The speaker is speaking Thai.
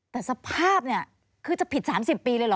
แต่สภาพเนี่ยคือจะผิด๓๐ปีเลยเหรอ